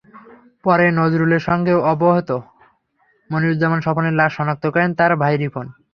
পরে নজরুলের সঙ্গে অপহৃত মনিরুজ্জামান স্বপনের লাশ শনাক্ত করেন তাঁর ভাই রিপন।